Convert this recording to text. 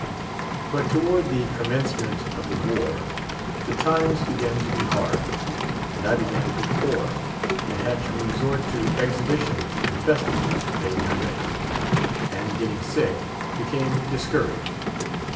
But toward the commence ment of the war the times began to be hard, and I began to be poor, and had to resort to exhibitions and festivals to pay my rent ; and, getting sick, became discouraged.